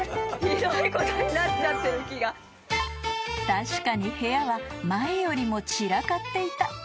［確かに部屋は前よりも散らかっていた］